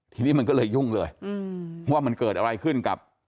ทีนี้มันก็เลยยุ่งเลยว่ามันเกิดอะไรขึ้นกับ